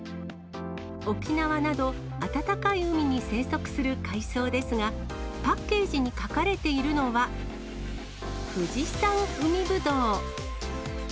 沖縄など、暖かい海に生息する海藻ですが、パッケージに書かれているのは、ふじ山海ぶどう。